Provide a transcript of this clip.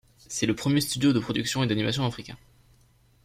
C'est le premier studio de production et d'animation africain.